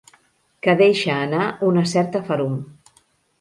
Que deixa anar una certa ferum.